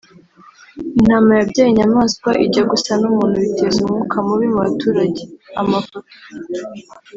Intama yabyaye inyamaswa ijya gusa n’umuntu biteza umwuka mubi mu baturage [Amafoto]